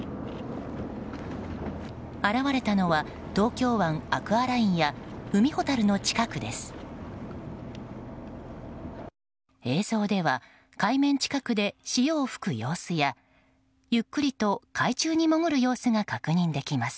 現れたのは東京湾アクアラインや海ほたるの近くです。